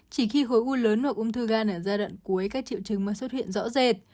chỉ khi khối u lớn hoặc ung thư gan ở giai đoạn cuối các triệu chứng mới xuất hiện rõ rệt